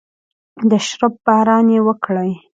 د شرپ باران وکړي